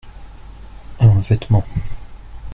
Un vêtement.